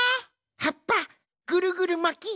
はっぱぐるぐるまき！